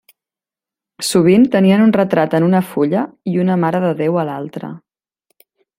Sovint tenien un retrat en una fulla i una Mare de Déu a l'altra.